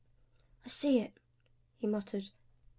"I see it!" he muttered.